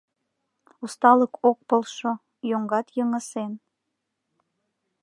Усталык ок полшо — йоҥгат йыҥысен.